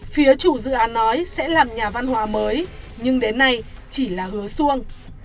phía chủ dự án nói sẽ làm nhà văn hóa mới nhưng đến nay chỉ là hứa xuông